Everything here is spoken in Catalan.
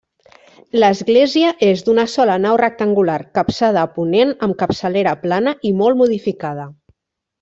L'església és d'una sola nau rectangular, capçada a ponent amb capçalera plana i molt modificada.